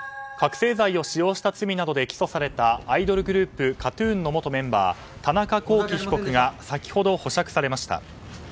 覚醒剤を使用した罪などで起訴されたアイドルグループＫＡＴ‐ＴＵＮの元メンバー、田中聖被告が先ほど保釈されました。